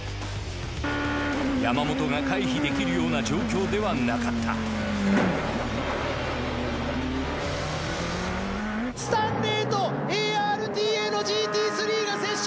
山本が回避できるような状況ではなかったスタンレーとＡＲＴＡのＧＴ３が接触！